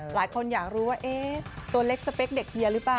หลายคนอยากรู้ว่าตัวเล็กสเปคเด็กเฮียหรือเปล่า